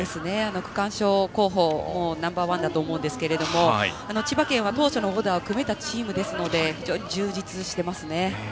区間賞候補のナンバー１だと思いますが千葉県は当初のオーダーを組めたチームですので非常に充実していますね。